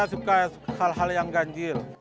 saya suka hal hal yang ganjil